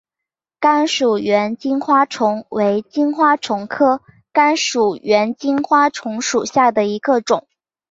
甘薯猿金花虫为金花虫科甘薯猿金花虫属下的一个种。